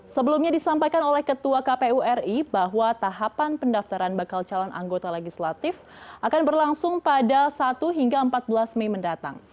sebelumnya disampaikan oleh ketua kpu ri bahwa tahapan pendaftaran bakal calon anggota legislatif akan berlangsung pada satu hingga empat belas mei mendatang